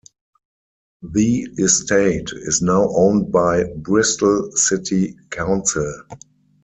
The estate is now owned by Bristol City Council.